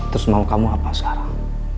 terus mau kamu apa sekarang